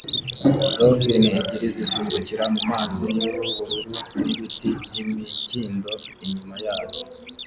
Dolphine ebyiri zisimbukira mu mazi yubururu n'ibiti by'imikindo inyuma yabo